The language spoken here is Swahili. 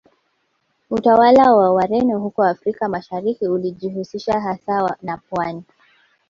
Utawala wa Wareno huko Afrika Mashariki ulijihusisha hasa na pwani